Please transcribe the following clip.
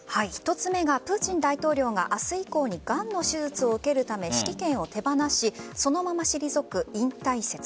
１つ目がプーチン大統領が明日以降にがんの手術を受けるため指揮権を手放しそのまま退く、引退説。